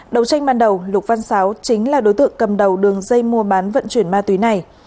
đầu tranh ban đầu lục văn sáu chính là đối tượng cầm đầu đường dây mua bán vận chuyển ma túy này